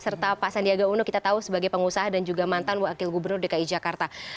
serta pak sandiaga uno kita tahu sebagai pengusaha dan juga mantan wakil gubernur dki jakarta